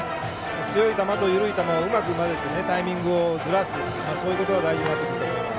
強い球と緩い球をうまく交ぜてタイミングをずらすということが大事になってくると思います。